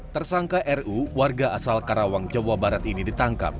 tersangka ru warga asal karawang jawa barat ini ditangkap